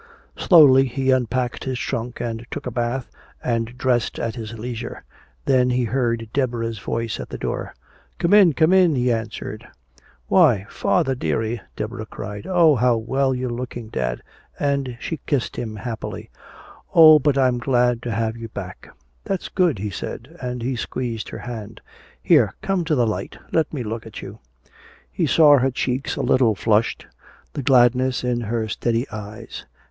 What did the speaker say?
Slowly he unpacked his trunk and took a bath and dressed at his leisure. Then he heard Deborah's voice at the door. "Come in, come in!" he answered. "Why, father! Dearie!" Deborah cried "Oh, how well you're looking, dad!" And she kissed him happily. "Oh, but I'm glad to have you back " "That's good," he said, and he squeezed her hand "Here, come to the light, let me look at you." He saw her cheeks a little flushed, the gladness in her steady eyes.